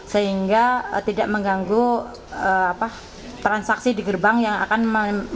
sehingga tidak mengganggu transaksi di gerbang yang akan